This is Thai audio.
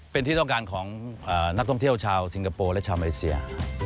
เป็นที่ต้องการของนักท่องเที่ยวชาวสิงคโปร์และชาวมาเลเซีย